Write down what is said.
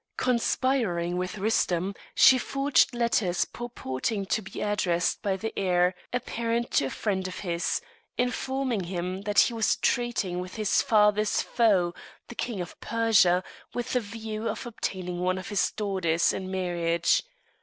Conspiring with Rustem, she forged letters purporting to be addressed by the heir apparent to a friend of his, informing him that he was treating with his father's foe, the King of Persia, with the view of obtaining one of his daughters in marriage.